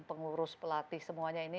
pengurus pelatih semuanya ini